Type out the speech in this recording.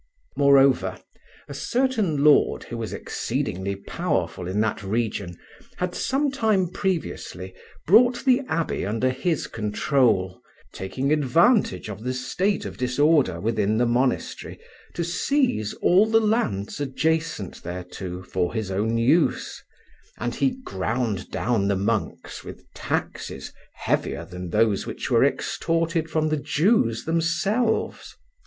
Moreover, a certain lord who was exceedingly powerful in that region had some time previously brought the abbey under his control, taking advantage of the state of disorder within the monastery to seize all the lands adjacent thereto for his own use, and he ground down the monks with taxes heavier than those which were extorted from the Jews themselves.